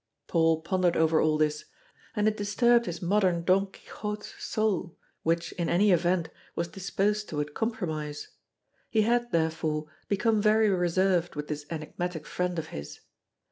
Paul pondered over all this, and it disturbed his modern Don Quixote's soul, which, in any event, was disposed toward compromise. He had, therefore, become very reserved with this enigmatic friend of his.